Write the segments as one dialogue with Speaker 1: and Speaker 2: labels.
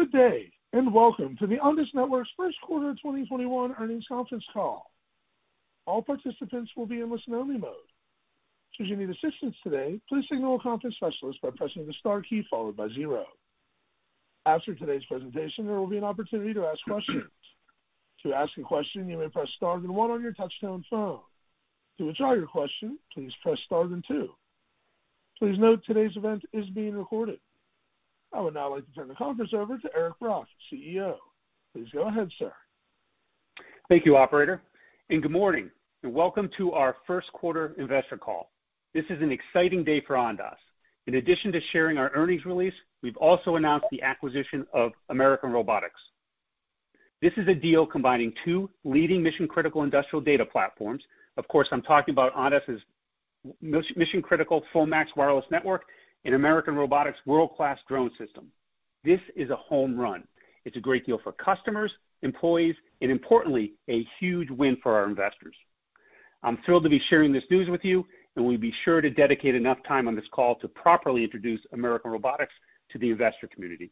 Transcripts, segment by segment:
Speaker 1: Good day, and welcome to the Ondas Networks' first quarter 2021 earnings conference call. All participants will be in listen-only mode. Should you need assistance today, please signal a conference specialist by pressing the star key followed by zero. After today's presentation, there will be an opportunity to ask questions. To ask a question, you may press star and one on your touch-tone phone. To withdraw your question, please press star and two. Please note today's event is being recorded. I would now like to turn the conference over to Eric Brock, CEO. Please go ahead, sir.
Speaker 2: Thank you, operator, and good morning, and welcome to our first quarter investor call. This is an exciting day for Ondas. In addition to sharing our earnings release, we've also announced the acquisition of American Robotics. This is a deal combining two leading mission-critical industrial data platforms. Of course, I'm talking about Ondas' mission-critical FullMAX wireless network and American Robotics' world-class drone system. This is a home run. It's a great deal for customers, employees, and importantly, a huge win for our investors. I'm thrilled to be sharing this news with you, and we'll be sure to dedicate enough time on this call to properly introduce American Robotics to the investor community.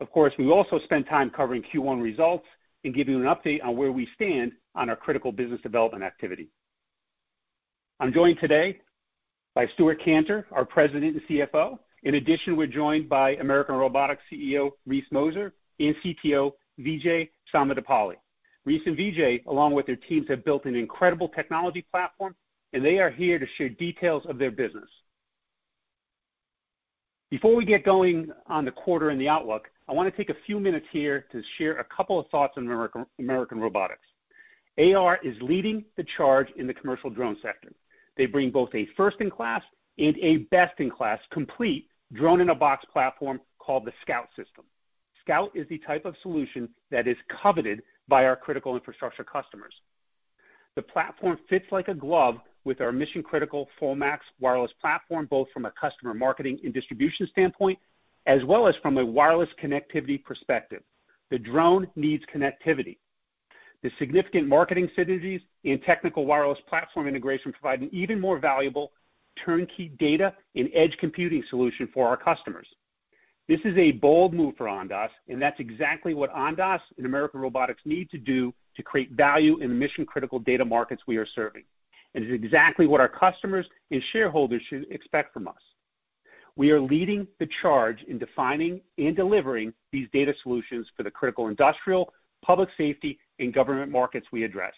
Speaker 2: Of course, we'll also spend time covering Q1 results and give you an update on where we stand on our critical business development activity. I'm joined today by Stewart Kantor, our President and CFO. In addition, we're joined by American Robotics CEO, Reese Mozer, and CTO, Vijay Somandepalli. Reese and Vijay, along with their teams, have built an incredible technology platform, and they are here to share details of their business. Before we get going on the quarter and the outlook, I want to take a few minutes here to share a couple of thoughts on American Robotics. AR is leading the charge in the commercial drone sector. They bring both a first-in-class and a best-in-class complete drone-in-a-box platform called the Scout System. Scout is the type of solution that is coveted by our critical infrastructure customers. The platform fits like a glove with our mission-critical FullMAX wireless platform, both from a customer marketing and distribution standpoint, as well as from a wireless connectivity perspective. The drone needs connectivity. The significant marketing synergies and technical wireless platform integration provide an even more valuable turnkey data and edge computing solution for our customers. This is a bold move for Ondas, and that's exactly what Ondas and American Robotics need to do to create value in the mission-critical data markets we are serving. It's exactly what our customers and shareholders should expect from us. We are leading the charge in defining and delivering these data solutions for the critical industrial, public safety, and government markets we address.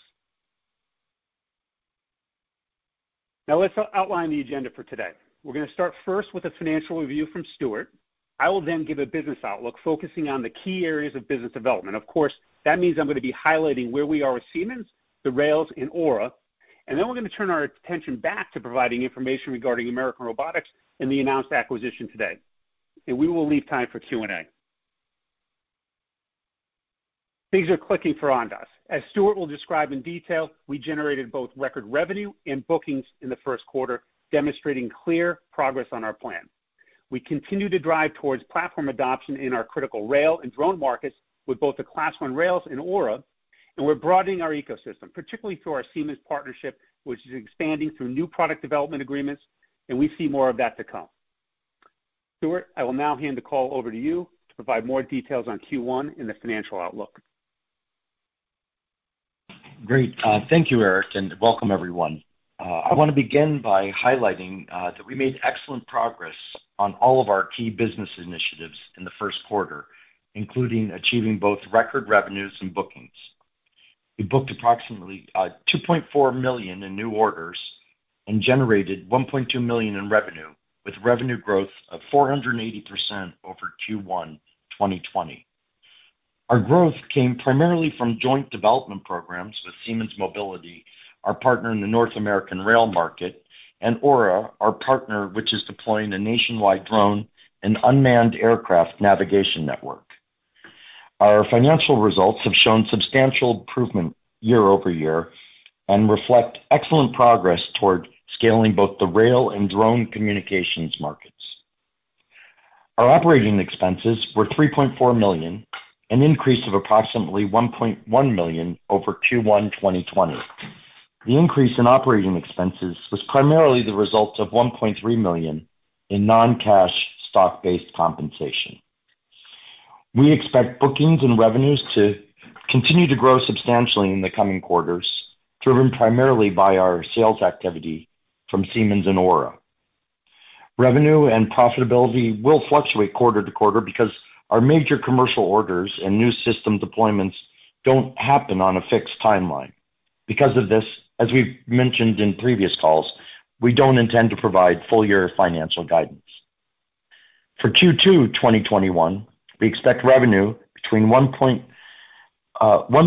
Speaker 2: Now, let's outline the agenda for today. We're going to start first with a financial review from Stewart. I will then give a business outlook focusing on the key areas of business development. Of course, that means I'm going to be highlighting where we are with Siemens, the rails, and AURA, and then we're going to turn our attention back to providing information regarding American Robotics and the announced acquisition today. We will leave time for Q&A. These are clicking for Ondas. As Stewart will describe in detail, we generated both record revenue and bookings in the first quarter, demonstrating clear progress on our plan. We continue to drive towards platform adoption in our critical rail and drone markets with both the Class I rails and AURA, and we're broadening our ecosystem, particularly through our Siemens partnership, which is expanding through new product development agreements, and we see more of that to come. Stewart, I will now hand the call over to you to provide more details on Q1 and the financial outlook.
Speaker 3: Great. Thank you, Eric, welcome everyone. I want to begin by highlighting that we made excellent progress on all of our key business initiatives in the first quarter, including achieving both record revenues and bookings. We booked approximately $2.4 million in new orders and generated $1.2 million in revenue, with revenue growth of 480% over Q1 2020. Our growth came primarily from joint development programs with Siemens Mobility, our partner in the North American rail market, and AURA, our partner, which is deploying a nationwide drone and unmanned aircraft navigation network. Our financial results have shown substantial improvement year-over-year and reflect excellent progress toward scaling both the rail and drone communications markets. Our operating expenses were $3.4 million, an increase of approximately $1.1 million over Q1 2020. The increase in operating expenses was primarily the result of $1.3 million in non-cash stock-based compensation. We expect bookings and revenues to continue to grow substantially in the coming quarters, driven primarily by our sales activity from Siemens and AURA. Revenue and profitability will fluctuate quarter-to-quarter because our major commercial orders and new system deployments don't happen on a fixed timeline. Because of this, as we've mentioned in previous calls, we don't intend to provide full-year financial guidance. For Q2 2021, we expect revenue between $1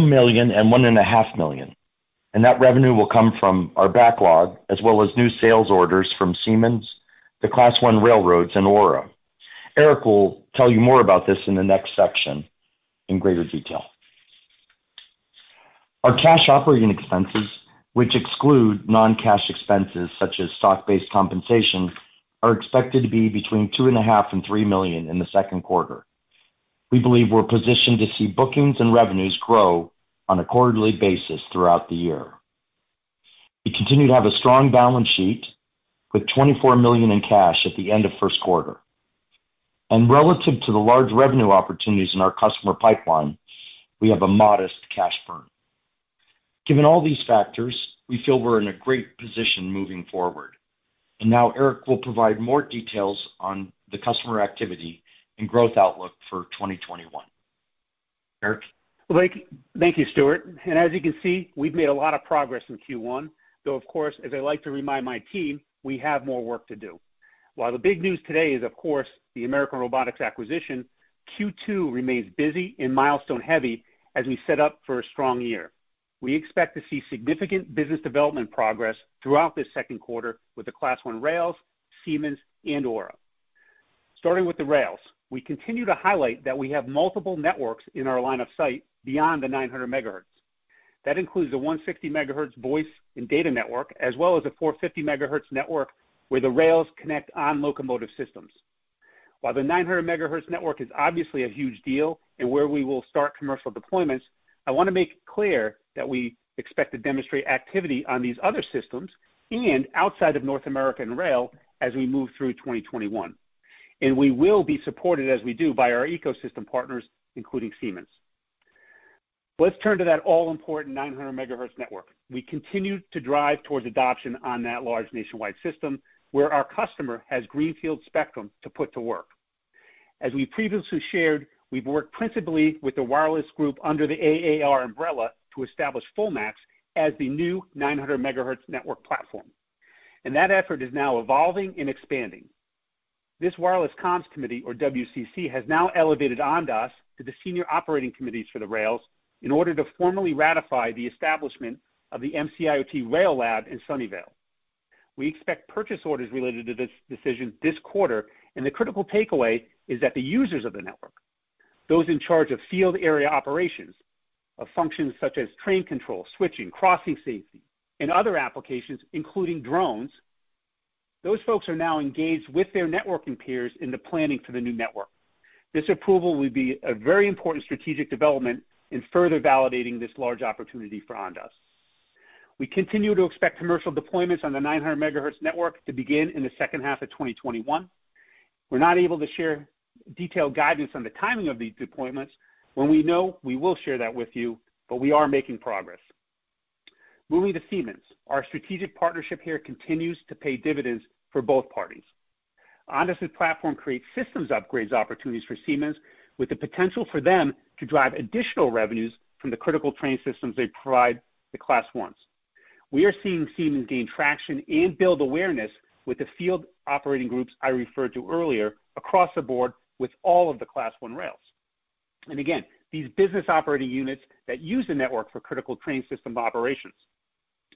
Speaker 3: million and $1.5 million, and that revenue will come from our backlog, as well as new sales orders from Siemens, the Class I railroads, and AURA. Eric will tell you more about this in the next section in greater detail. Our cash operating expenses, which exclude non-cash expenses such as stock-based compensation, are expected to be between $2.5 million and $3 million in the second quarter. We believe we're positioned to see bookings and revenues grow on a quarterly basis throughout the year. We continue to have a strong balance sheet with $24 million in cash at the end of first quarter. Relative to the large revenue opportunities in our customer pipeline, we have a modest cash burn. Given all these factors, we feel we're in a great position moving forward. Now Eric will provide more details on the customer activity and growth outlook for 2021. Eric?
Speaker 2: Thank you, Stewart. As you can see, we've made a lot of progress in Q1, though, of course, as I like to remind my team, we have more work to do. While the big news today is, of course, the American Robotics acquisition, Q2 remains busy and milestone-heavy as we set up for a strong year. We expect to see significant business development progress throughout this second quarter with the Class I rails, Siemens, and AURA. Starting with the rails. We continue to highlight that we have multiple networks in our line of sight beyond the 900 MHz. That includes a 150 MHz voice and data network, as well as a 450 MHz network where the rails connect on-locomotive systems. While the 900 MHz network is obviously a huge deal and where we will start commercial deployments, I want to make clear that we expect to demonstrate activity on these other systems and outside of North American rail as we move through 2021. We will be supported as we do by our ecosystem partners, including Siemens. Let's turn to that all-important 900 MHz network. We continue to drive towards adoption on that large nationwide system where our customer has greenfield spectrum to put to work. As we previously shared, we've worked principally with the wireless group under the AAR umbrella to establish FullMAX as the new 900 MHz network platform, and that effort is now evolving and expanding. This Wireless Communications Committee, or WCC, has now elevated Ondas to the senior operating committees for the rails in order to formally ratify the establishment of the MC-IoT Rail Lab in Sunnyvale. We expect purchase orders related to these decisions this quarter, and the critical takeaway is that the users of the network, those in charge of field area operations, of functions such as train control, switching, crossing safety, and other applications, including drones, those folks are now engaged with their networking peers in the planning for the new network. This approval will be a very important strategic development in further validating this large opportunity for Ondas. We continue to expect commercial deployments on the 900 MHz network to begin in the second half of 2021. We're not able to share detailed guidance on the timing of these deployments. When we know, we will share that with you, but we are making progress. Moving to Siemens. Our strategic partnership here continues to pay dividends for both parties. Ondas' platform creates systems upgrades opportunities for Siemens, with the potential for them to drive additional revenues from the critical train systems they provide the Class Is. We are seeing Siemens gain traction and build awareness with the field operating groups I referred to earlier across the board with all of the Class I rails. Again, these business operating units that use the network for critical train system operations.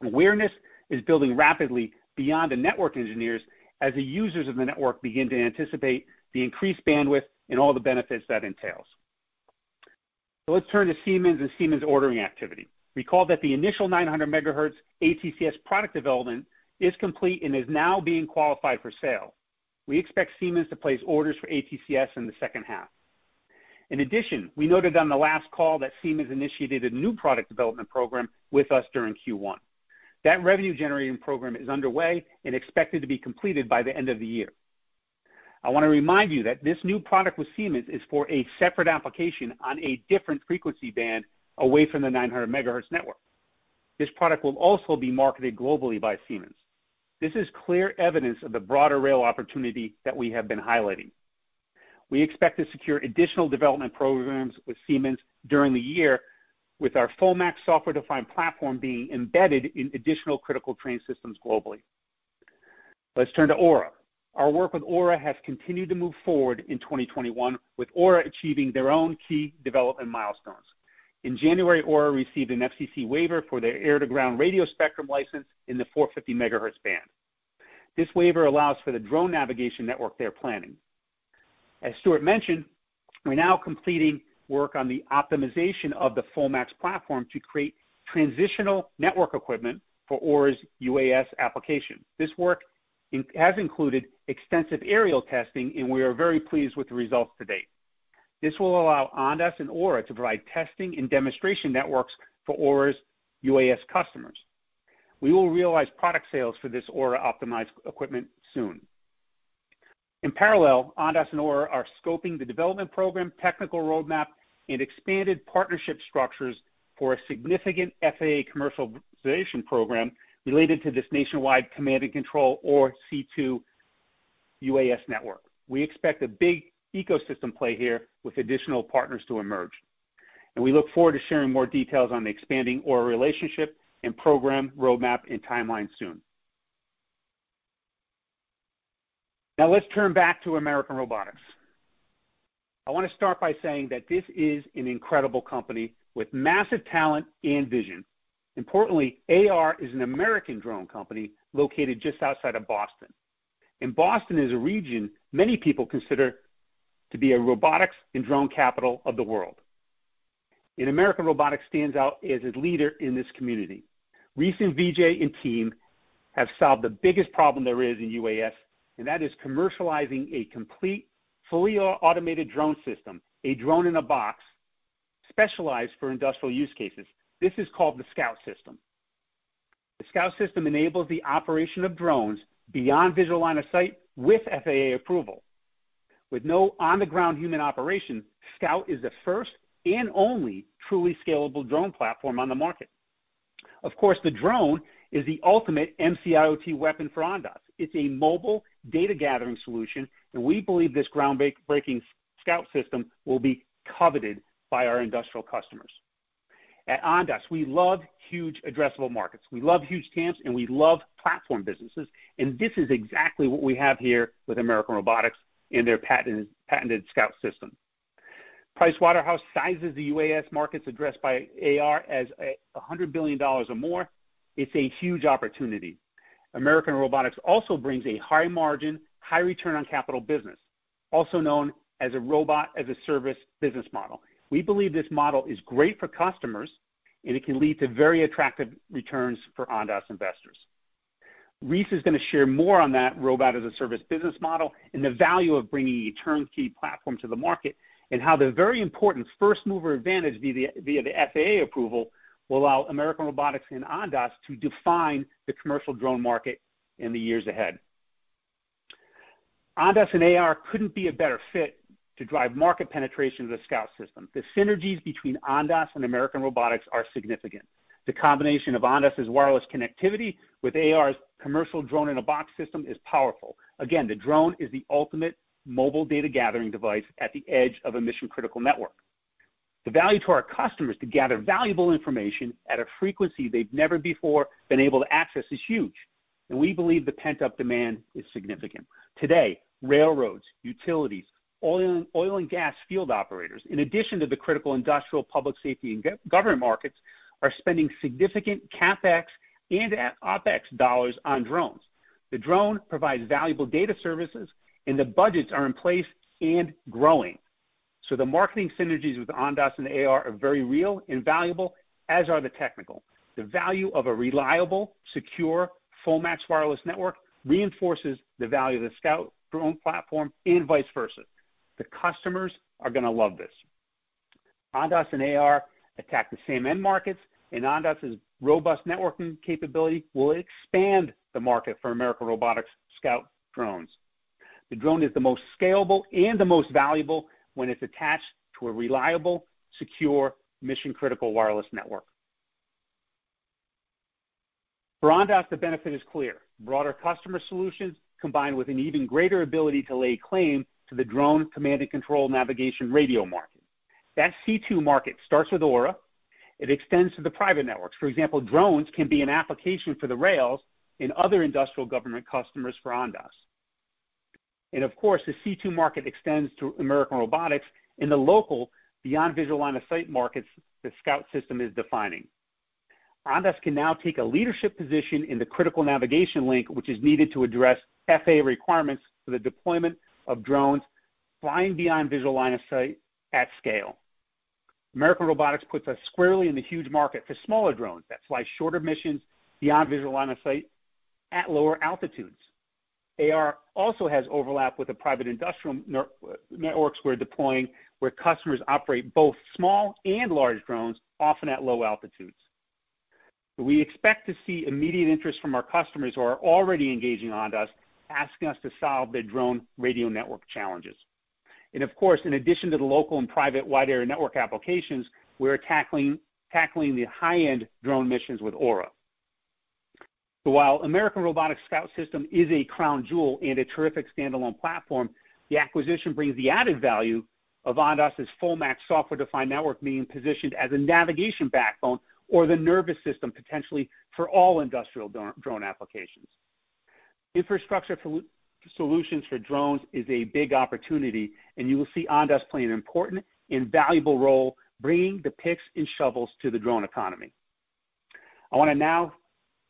Speaker 2: Awareness is building rapidly beyond the network engineers as the users of the network begin to anticipate the increased bandwidth and all the benefits that entails. Let's turn to Siemens and Siemens ordering activity. Recall that the initial 900 MHz ATCS product development is complete and is now being qualified for sale. We expect Siemens to place orders for ATCS in the second half. In addition, we noted on the last call that Siemens initiated a new product development program with us during Q1. That revenue-generating program is underway and expected to be completed by the end of the year. I want to remind you that this new product with Siemens is for a separate application on a different frequency band away from the 900 MHz network. This product will also be marketed globally by Siemens. This is clear evidence of the broader rail opportunity that we have been highlighting. We expect to secure additional development programs with Siemens during the year, with our FullMAX software-defined platform being embedded in additional critical train systems globally. Let's turn to AURA. Our work with AURA has continued to move forward in 2021, with AURA achieving their own key development milestones. In January, AURA received an FCC waiver for their air-to-ground radio spectrum license in the 450 MHz band. This waiver allows for the drone navigation network they're planning. As Stewart mentioned, we're now completing work on the optimization of the FullMAX platform to create transitional network equipment for AURA's UAS application. This work has included extensive aerial testing, and we are very pleased with the results to date. This will allow Ondas and AURA to provide testing and demonstration networks for AURA's UAS customers. We will realize product sales for this AURA-optimized equipment soon. In parallel, Ondas and AURA are scoping the development program, technical roadmap, and expanded partnership structures for a significant FAA commercialization program related to this nationwide command and control or C2 UAS network. We expect a big ecosystem play here with additional partners to emerge, and we look forward to sharing more details on expanding our relationship and program roadmap and timeline soon. Now let's turn back to American Robotics. I want to start by saying that this is an incredible company with massive talent and vision. Importantly, AR is an American drone company located just outside of Boston is a region many people consider to be a robotics and drone capital of the world. American Robotics stands out as a leader in this community. Reese and Vijay and team have solved the biggest problem there is in UAS, that is commercializing a complete, fully automated drone system, a drone-in-a-box specialized for industrial use cases. This is called the Scout System. The Scout System enables the operation of drones beyond visual line of sight with FAA approval. With no on-the-ground human operation, Scout is the first and only truly scalable drone platform on the market. Of course, the drone is the ultimate MC-IoT weapon for Ondas. It's a mobile data gathering solution, and we believe this groundbreaking Scout System will be coveted by our industrial customers. At Ondas, we love huge addressable markets. We love huge TAMs, we love platform businesses, and this is exactly what we have here with American Robotics and their patented Scout System. Pricewaterhouse sizes the UAS markets addressed by AR as $100 billion or more. It's a huge opportunity. American Robotics also brings a high margin, high return on capital business, also known as a robot-as-a-service business model. We believe this model is great for customers, and it can lead to very attractive returns for Ondas investors. Reese is going to share more on that robot-as-a-service business model and the value of bringing a turnkey platform to the market, and how the very important first-mover advantage via the FAA approval will allow American Robotics and Ondas to define the commercial drone market in the years ahead. Ondas and AR couldn't be a better fit to drive market penetration of the Scout System. The synergies between Ondas and American Robotics are significant. The combination of Ondas' wireless connectivity with AR's commercial drone-in-a-box system is powerful. Again, the drone is the ultimate mobile data gathering device at the edge of a mission-critical network. The value to our customers to gather valuable information at a frequency they've never before been able to access is huge, and we believe the pent-up demand is significant. Today, railroads, utilities, oil and gas field operators, in addition to the critical industrial public safety and government markets, are spending significant CapEx and OpEx dollars on drones. The drone provides valuable data services, and the budgets are in place and growing. The marketing synergies with Ondas and AR are very real and valuable, as are the technical. The value of a reliable, secure, FullMAX wireless network reinforces the value of the Scout drone platform and vice versa. The customers are going to love this. Ondas and AR attack the same end markets, and Ondas' robust networking capability will expand the market for American Robotics Scout drones. The drone is the most scalable and the most valuable when it's attached to a reliable, secure, mission-critical wireless network. For Ondas, the benefit is clear. Broader customer solutions combined with an even greater ability to lay claim to the drone command and control navigation radio market. That C2 market starts with AURA. It extends to the private networks. For example, drones can be an application for the rails and other industrial government customers for Ondas. Of course, the C2 market extends to American Robotics in the local, beyond visual line of sight markets the Scout System is defining. Ondas can now take a leadership position in the critical navigation link, which is needed to address FAA requirements for the deployment of drones flying beyond visual line of sight at scale. American Robotics puts us squarely in the huge market for smaller drones. That's why shorter missions beyond visual line of sight at lower altitudes. AR also has overlap with the private industrial networks we're deploying where customers operate both small and large drones, often at low altitudes. We expect to see immediate interest from our customers who are already engaging Ondas, asking us to solve their drone radio network challenges. Of course, in addition to the local and private wide area network applications, we're tackling the high-end drone missions with AURA. While American Robotics' Scout System is a crown jewel and a terrific standalone platform, the acquisition brings the added value of Ondas' FullMAX software-defined network being positioned as a navigation backbone or the nervous system, potentially, for all industrial drone applications. Infrastructure solutions for drones is a big opportunity, and you will see Ondas playing an important and valuable role bringing the picks and shovels to the drone economy. I want to now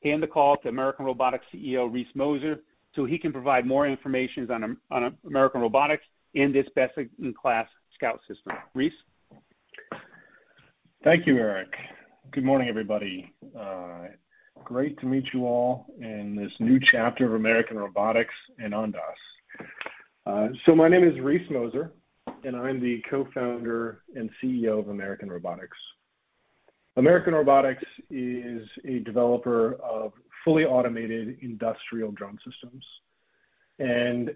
Speaker 2: hand the call to American Robotics CEO, Reese Mozer, so he can provide more information on American Robotics and its best-in-class Scout System. Reese?
Speaker 4: Thank you, Eric. Good morning, everybody. Great to meet you all in this new chapter of American Robotics and Ondas. My name is Reese Mozer, and I'm the co-founder and CEO of American Robotics. American Robotics is a developer of fully automated industrial drone systems.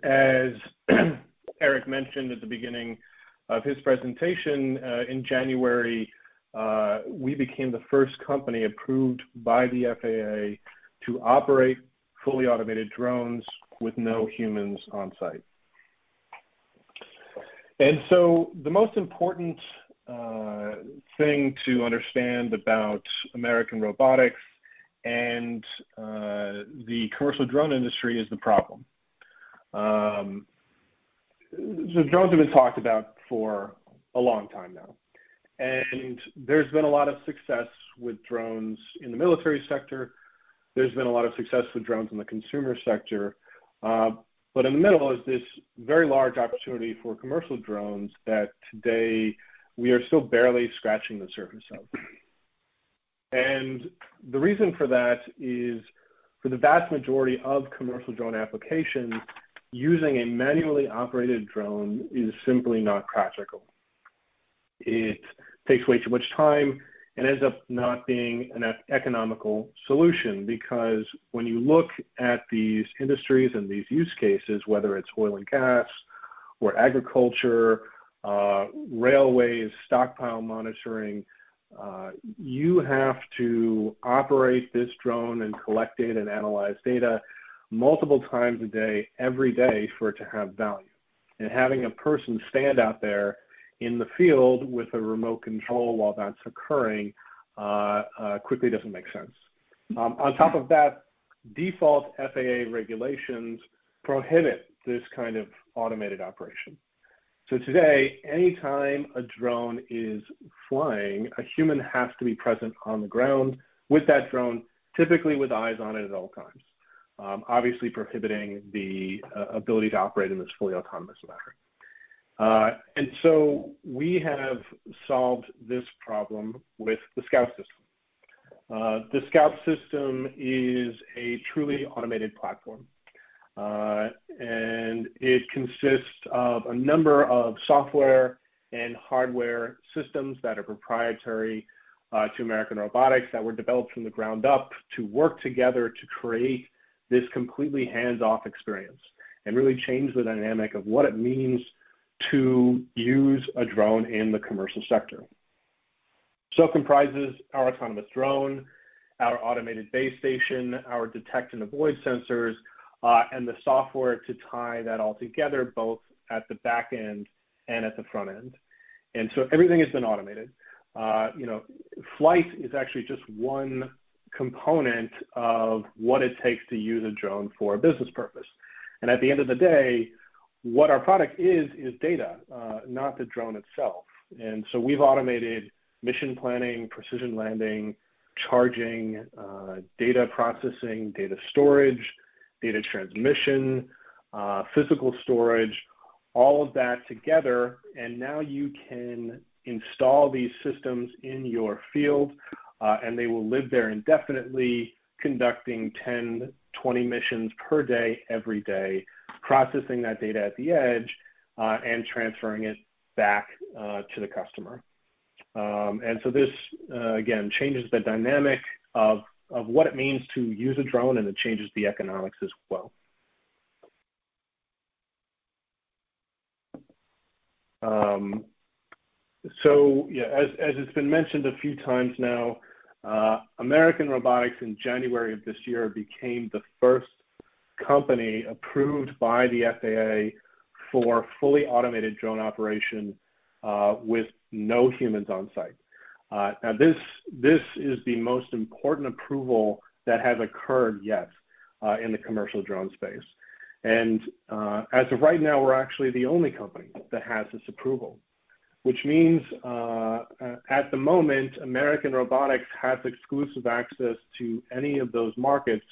Speaker 4: As Eric mentioned at the beginning of his presentation, in January, we became the first company approved by the FAA to operate fully automated drones with no humans on site. The most important thing to understand about American Robotics and the commercial drone industry is the problem. Drones have been talked about for a long time now, and there's been a lot of success with drones in the military sector. There's been a lot of success with drones in the consumer sector. In the middle is this very large opportunity for commercial drones that today we are still barely scratching the surface of. The reason for that is for the vast majority of commercial drone applications, using a manually operated drone is simply not practical. It takes way too much time and ends up not being an economical solution because when you look at these industries and these use cases, whether it's oil and gas or agriculture, railways, stockpile monitoring, you have to operate this drone and collect data and analyze data multiple times a day, every day, for it to have value. Having a person stand out there in the field with a remote control while that's occurring, quickly doesn't make sense. On top of that, default FAA regulations prohibit this kind of automated operation. Today, anytime a drone is flying, a human has to be present on the ground with that drone, typically with eyes on it at all times, obviously prohibiting the ability to operate in this fully autonomous manner. We have solved this problem with the Scout System. The Scout System is a truly automated platform, and it consists of a number of software and hardware systems that are proprietary to American Robotics that were developed from the ground up to work together to create this completely hands-off experience and really change the dynamic of what it means to use a drone in the commercial sector. It comprises our autonomous drone, our automated base station, our detect and avoid sensors, and the software to tie that all together, both at the back end and at the front end. Everything has been automated. Flight is actually just one component of what it takes to use a drone for a business purpose. At the end of the day, what our product is data, not the drone itself. We've automated mission planning, precision landing, charging, data processing, data storage, data transmission, physical storage, all of that together. Now you can install these systems in your field, and they will live there indefinitely, conducting 10, 20 missions per day, every day, processing that data at the edge, and transferring it back to the customer. This, again, changes the dynamic of what it means to use a drone, and it changes the economics as well. Yeah, as has been mentioned a few times now, American Robotics in January of this year became the first company approved by the FAA for fully automated drone operation with no humans on site. Now, this is the most important approval that has occurred yet, in the commercial drone space. As of right now, we're actually the only company that has this approval, which means, at the moment, American Robotics has exclusive access to any of those markets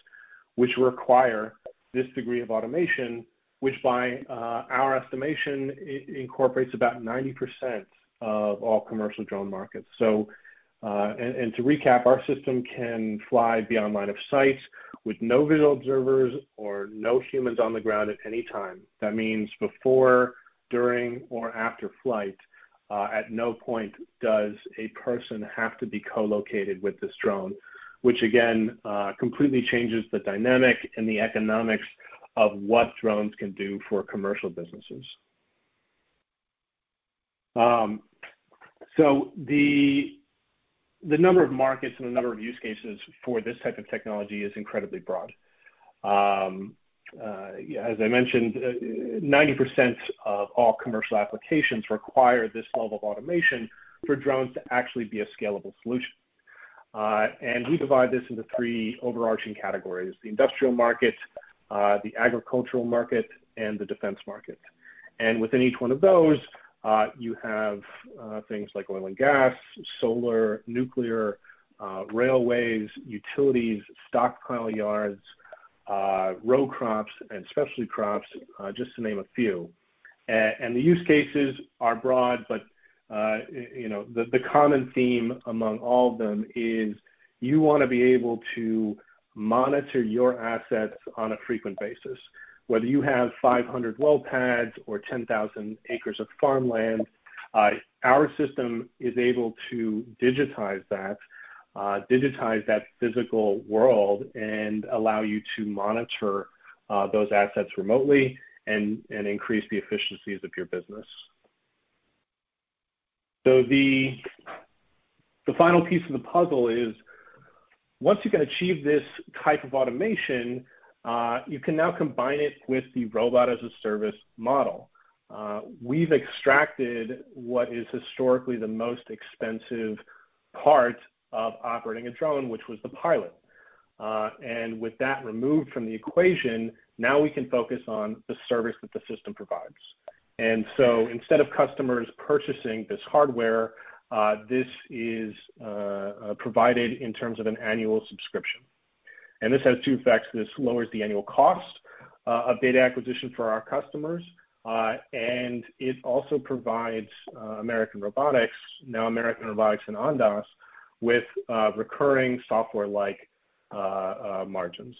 Speaker 4: which require this degree of automation, which by our estimation, incorporates about 90% of all commercial drone markets. To recap, our system can fly beyond line of sight with no visual observers or no humans on the ground at any time. That means before, during, or after flight, at no point does a person have to be co-located with this drone, which again, completely changes the dynamic and the economics of what drones can do for commercial businesses. The number of markets and the number of use cases for this type of technology is incredibly broad. As I mentioned, 90% of all commercial applications require this level of automation for drones to actually be a scalable solution. We divide this into three overarching categories, the industrial market, the agricultural market, and the defense market. Within each one of those, you have things like oil and gas, solar, nuclear, railways, utilities, stockpile yards, row crops, and specialty crops, just to name a few. The use cases are broad, but the common theme among all of them is you want to be able to monitor your assets on a frequent basis. Whether you have 500 well pads or 10,000 acres of farmland, our system is able to digitize that physical world and allow you to monitor those assets remotely and increase the efficiencies of your business. The final piece of the puzzle is once you've achieved this type of automation, you can now combine it with the robot-as-a-service model. We've extracted what is historically the most expensive part of operating a drone, which was the pilot. With that removed from the equation, now we can focus on the service that the system provides. Instead of customers purchasing this hardware, this is provided in terms of an annual subscription. This has two effects. This lowers the annual cost of data acquisition for our customers, and it also provides American Robotics, now American Robotics and Ondas, with recurring software-like margins.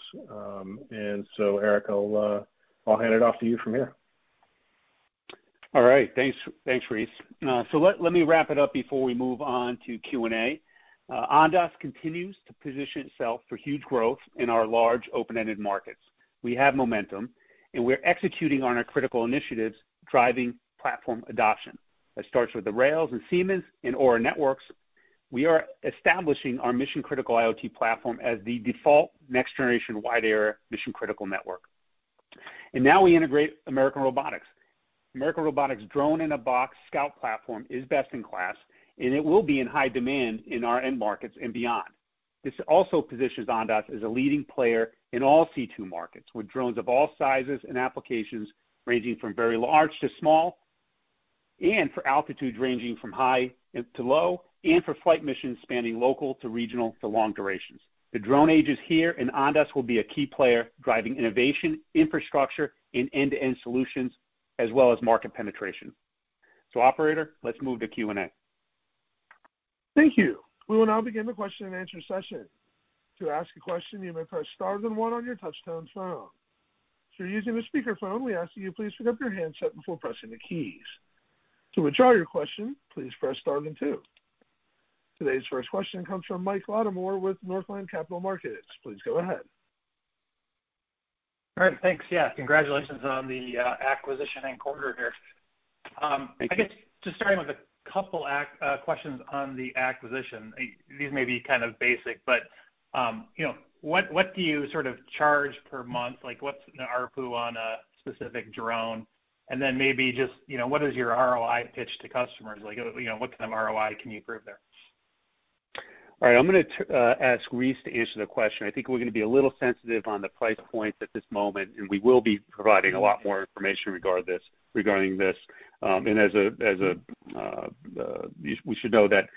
Speaker 4: Eric, I'll hand it off to you from here.
Speaker 2: All right. Thanks, Reese. Let me wrap it up before we move on to Q&A. Ondas continues to position itself for huge growth in our large open-ended markets. We have momentum, and we're executing on our critical initiatives driving platform adoption. That starts with the Rails and Siemens and AURA Network Systems. We are establishing our mission-critical IoT platform as the default next-generation wide-area mission-critical network. Now we integrate American Robotics. American Robotics' drone-in-a-box Scout platform is best in class, and it will be in high demand in our end markets and beyond. This also positions Ondas as a leading player in all C2 markets, with drones of all sizes and applications ranging from very large to small, and for altitudes ranging from high to low, and for flight missions spanning local to regional for long durations. The drone age is here, and Ondas will be a key player driving innovation, infrastructure, and end-to-end solutions, as well as market penetration. Operator, let's move to Q&A.
Speaker 1: Today's first question comes from Mike Latimore with Northland Capital Markets. Please go ahead.
Speaker 5: All right. Thanks. Yeah, congratulations on the acquisition and quarter here. I guess just starting with a couple questions on the acquisition. These may be kind of basic, but what do you charge per month? What's an ARPU on a specific drone? Then maybe just what is your ROI pitch to customers? What kind of ROI can you prove there?
Speaker 2: All right. I'm going to ask Reese to answer the question. I think we're going to be a little sensitive on the price points at this moment, and we will be providing a lot more information regarding this. We should note that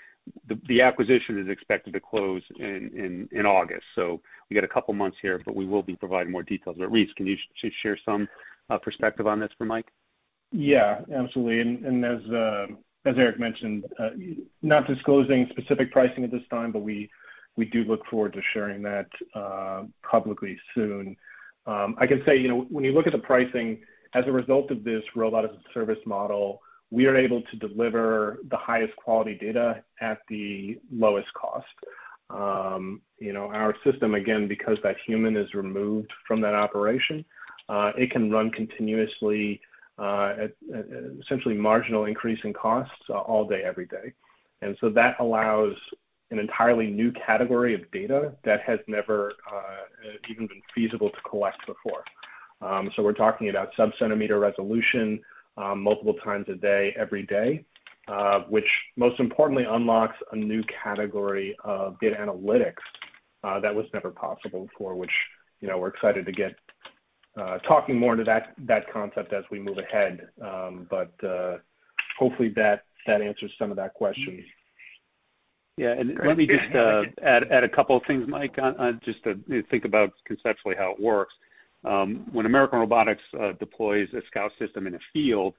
Speaker 2: the acquisition is expected to close in August. We got a couple of months here, but we will be providing more details. Reese, can you share some perspective on this for Mike?
Speaker 4: Yeah, absolutely. As Eric mentioned, not disclosing specific pricing at this time, but we do look forward to sharing that publicly soon. I can say, when you look at the pricing, as a result of this robot-as-a-service model, we are able to deliver the highest quality data at the lowest cost. Our system, again, because that human is removed from that operation, it can run continuously at essentially marginal increasing costs all day, every day. That allows an entirely new category of data that has never even been feasible to collect before. We're talking about sub-centimeter resolution, multiple times a day, every day, which most importantly unlocks a new category of data analytics that was never possible before, which we're excited to get talking more into that concept as we move ahead. Hopefully that answers some of that question.
Speaker 2: Yeah. Let me just add a couple of things, Mike, just to think about conceptually how it works. When American Robotics deploys a Scout System in a field,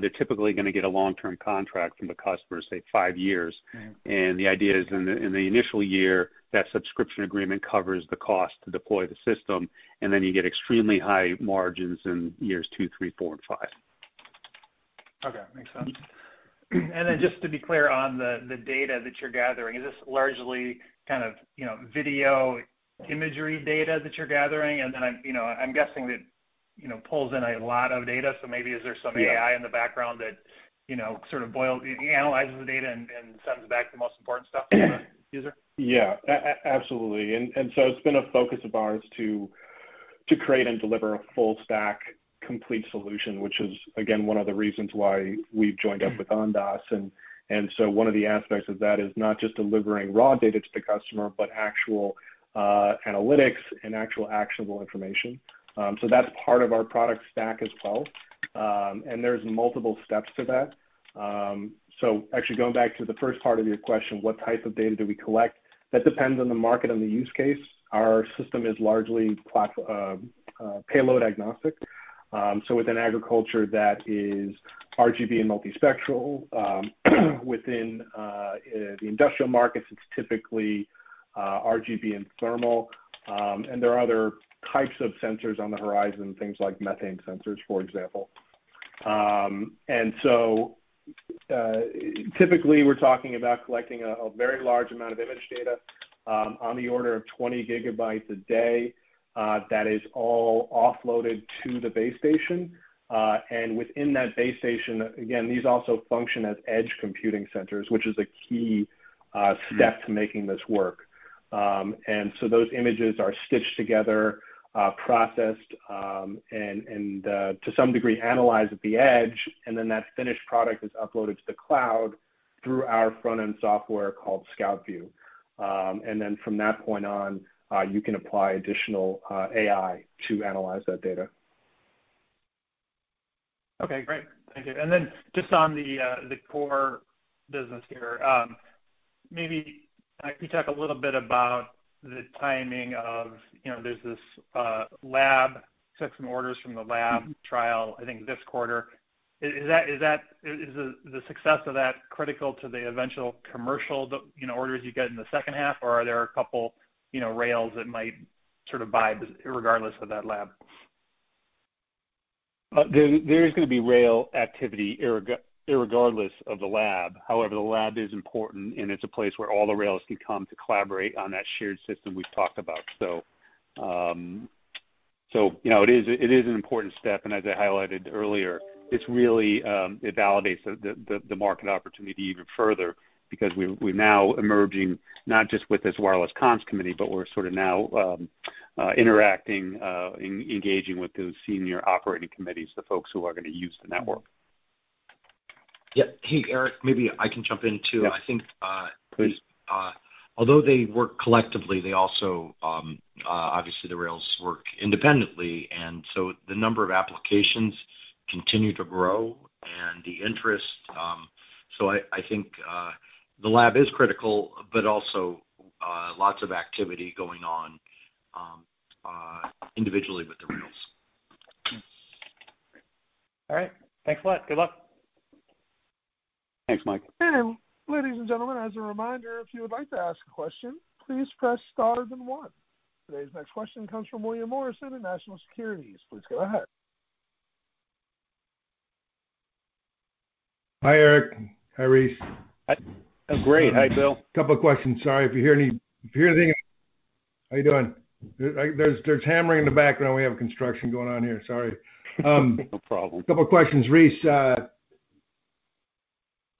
Speaker 2: they're typically going to get a long-term contract from the customer, say, five years. The idea is in the initial year, that subscription agreement covers the cost to deploy the system, then you get extremely high margins in years two, three, four, and five.
Speaker 5: Okay. Makes sense. Just to be clear on the data that you're gathering, is this largely video, imagery data that you're gathering? I'm guessing it pulls in a lot of data, so maybe is there some AI in the background that sort of analyzes the data and sends back the most important stuff to the user?
Speaker 4: Absolutely. It's been a focus of ours to create and deliver a full stack complete solution, which is, again, one of the reasons why we've joined up with Ondas. One of the aspects of that is not just delivering raw data to the customer, but actual analytics and actual actionable information. That's part of our product stack as well. There's multiple steps to that. Actually going back to the first part of your question, what type of data do we collect? That depends on the market and the use case. Our system is largely payload agnostic. Within agriculture, that is RGB and multispectral. Within the industrial markets, it's typically RGB and thermal. There are other types of sensors on the horizon, things like methane sensors, for example. Typically, we're talking about collecting a very large amount of image data on the order of 20 GB a day that is all offloaded to the base station. Within that base station, again, these also function as edge computing centers, which is a key step to making this work. Those images are stitched together, processed, and to some degree, analyzed at the edge, and then that finished product is uploaded to the cloud through our front-end software called ScoutView. From that point on, you can apply additional AI to analyze that data.
Speaker 5: Okay, great. Thank you. Just on the core business here, maybe can you talk a little bit about the timing of, there's this lab, shipping orders from the lab trial, I think this quarter. Is the success of that critical to the eventual commercial orders you get in the second half or are there a couple rails that might buy regardless of that lab?
Speaker 2: There's going to be rail activity irregardless of the lab. However, the lab is important, and it's a place where all the rails can come to collaborate on that shared system we've talked about. It is an important step, and as I highlighted earlier, it validates the market opportunity even further because we're now emerging not just with this Wireless Comms Committee, but we're now interacting and engaging with those senior operating committees, the folks who are going to use the network.
Speaker 5: Yeah.
Speaker 3: Hey, Eric, maybe I can jump in too.
Speaker 2: Yeah, please.
Speaker 3: I think although they work collectively, they also, obviously, the rails work independently. The number of applications continue to grow and the interest. I think the lab is critical, but also lots of activity going on individually with the rails.
Speaker 5: All right. Thanks a lot. Good luck.
Speaker 2: Thanks, Mike.
Speaker 1: Today's next question comes from William Morrison of National Securities. Please go ahead.
Speaker 6: Hi, Eric. Hi, Reese.
Speaker 2: I'm great. Hi, Bill.
Speaker 6: Couple questions. Sorry if you hear any. How you doing? There's hammering in the background. We have construction going on here. Sorry.
Speaker 2: No problem.
Speaker 6: Couple questions, Reese.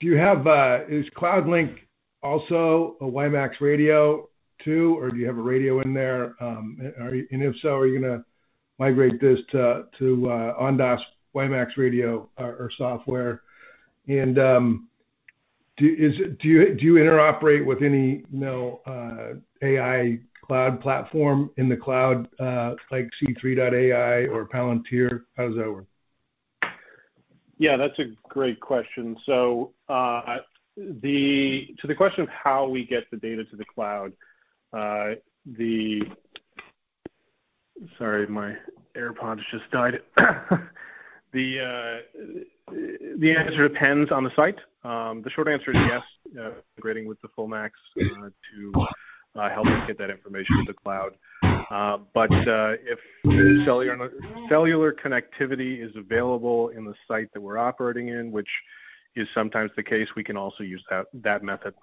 Speaker 6: Is CloudLink also a WiMAX radio too? Or do you have a radio in there? If so, are you going to migrate this to Ondas WiMAX radio or software? Do you interoperate with any AI cloud platform in the cloud, like C3.ai or Palantir? How does that work?
Speaker 4: Yeah, that's a great question. To the question of how we get the data to the cloud. Sorry, my AirPods just died. The answer depends on the site. The short answer is yes, integrating with the FullMAX to help us get that information to the cloud. If cellular connectivity is available in the site that we're operating in, which is sometimes the case, we can also use that method.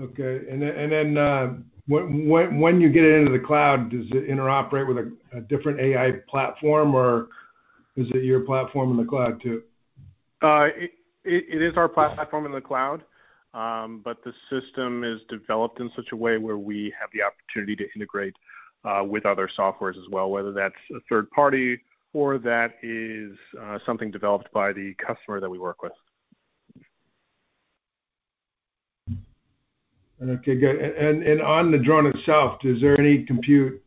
Speaker 6: Okay. When you get into the cloud, does it interoperate with a different AI platform, or is it your platform in the cloud too?
Speaker 4: It is our platform in the cloud, but the system is developed in such a way where we have the opportunity to integrate with other softwares as well, whether that's a third party or that is something developed by the customer that we work with.
Speaker 6: Okay, good. On the drone itself, is there any compute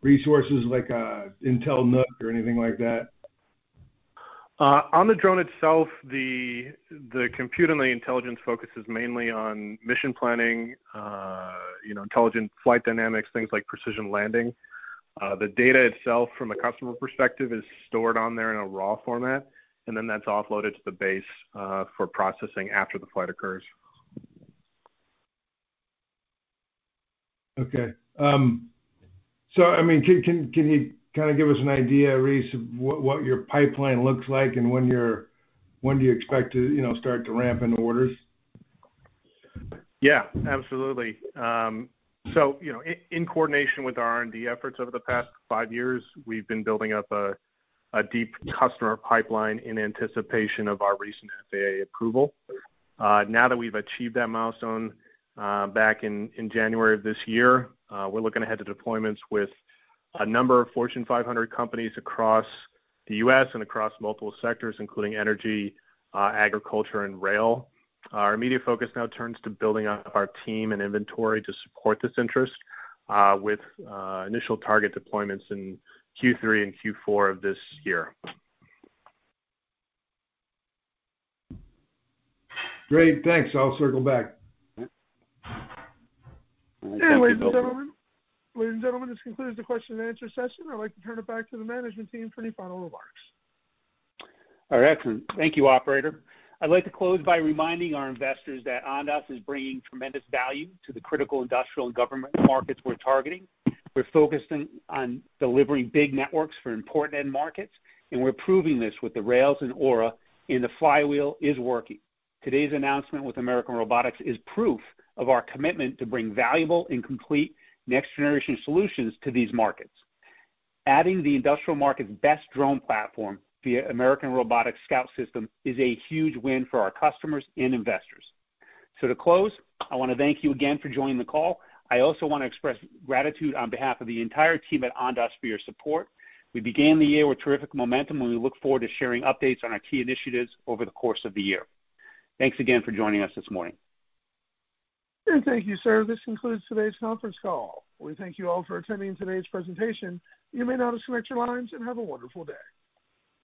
Speaker 6: resources like an Intel NUC or anything like that?
Speaker 4: On the drone itself, the compute and the intelligence focus is mainly on mission planning, intelligence, flight dynamics, things like precision landing. The data itself from the customer perspective is stored on there in a raw format, and then that's offloaded to the base for processing after the flight occurs.
Speaker 6: Can you give us an idea, Reese, of what your pipeline looks like and when do you expect to start to ramp into orders?
Speaker 4: Yeah, absolutely. In coordination with R&D efforts over the past five years, we've been building up a deep customer pipeline in anticipation of our recent FAA approval. Now that we've achieved that milestone, back in January of this year, we're looking ahead to deployments with a number of Fortune 500 companies across the U.S. and across multiple sectors, including energy, agriculture, and rail. Our immediate focus now turns to building out our team and inventory to support this interest, with initial target deployments in Q3 and Q4 of this year.
Speaker 6: Great. Thanks. I'll circle back.
Speaker 1: Ladies and gentlemen, this concludes the question and answer session. I'd like to turn it back to the management team for any final remarks.
Speaker 2: All right. Thank you, operator. I'd like to close by reminding our investors that Ondas is bringing tremendous value to the critical industrial and government markets we're targeting. We're focusing on delivering big networks for important end markets. We're proving this with the rails and AURA. The flywheel is working. Today's announcement with American Robotics is proof of our commitment to bring valuable and complete next-generation solutions to these markets. Adding the industrial market's best drone platform via American Robotics Scout System is a huge win for our customers and investors. To close, I want to thank you again for joining the call. I also want to express gratitude on behalf of the entire team at Ondas for your support. We began the year with terrific momentum. We look forward to sharing updates on our key initiatives over the course of the year. Thanks again for joining us this morning.
Speaker 1: Thank you, sir. This concludes today's conference call. We thank you all for attending today's presentation. You may now disconnect your lines and have a wonderful day.